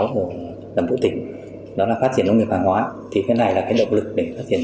của đồng bộ tỉnh đó là phát triển nông nghiệp hàng hóa thì cái này là cái động lực để phát triển